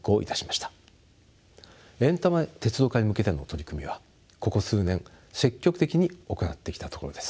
エンタメ鉄道化に向けての取り組みはここ数年積極的に行ってきたところです。